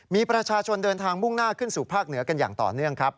มีประชาชนเดินทางมุ่งหน้าขึ้นสู่ภาคเหนือกันอย่างต่อเนื่องครับ